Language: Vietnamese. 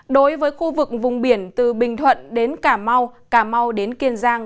đối với khu vực vùng biển từ bình thuận đến cà mau cà mau đến kiên giang